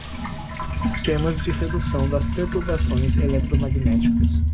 sistemas de redução das perturbações eletromagnéticas